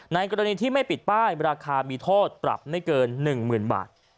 กรณีที่ไม่ปิดป้ายราคามีโทษปรับไม่เกิน๑๐๐๐บาท